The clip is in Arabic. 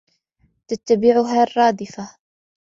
تتبعها الرادفة